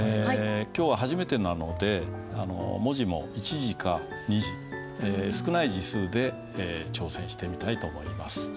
今日は初めてなので文字も１字か２字少ない字数で挑戦してみたいと思います。